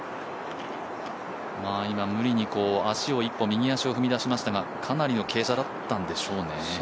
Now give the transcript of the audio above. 今、無理に一歩右足を踏み出しましたかが、かなりの傾斜だったんでしょうね。